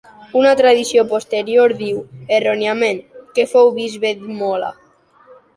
Una tradició posterior diu, erròniament, que fou bisbe d'Imola.